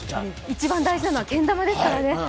一番大事なのはけん玉ですからね。